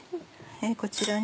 こちらに。